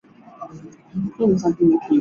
球果群心菜为十字花科独行菜属的植物。